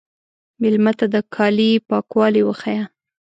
مېلمه ته د کالي پاکوالی وښیه.